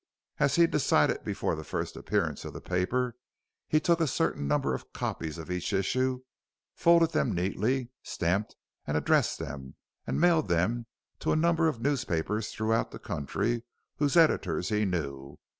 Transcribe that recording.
As he had decided before the first appearance of the paper, he took a certain number of copies of each issue, folded them neatly, stamped and addressed them, and mailed them to a number of newspapers throughout the country whose editors he knew.